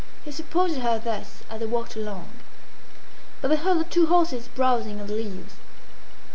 He supported her thus as they walked along. But they heard the two horses browsing on the leaves.